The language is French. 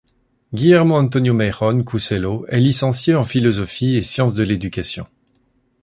Guillermo Antonio Meijón Couselo est licencié en philosophie et sciences de l'éducation.